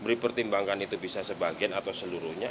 dipertimbangkan itu bisa sebagian atau seluruhnya